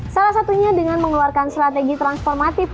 salah satunya dengan mengeluarkan strategi transformatif